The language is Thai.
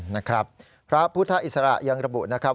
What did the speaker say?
นะครับพระพุทธอิสระยังระบุนะครับ